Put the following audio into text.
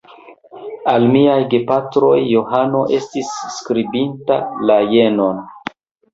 Al miaj gepatroj Johano estis skribinta la jenon: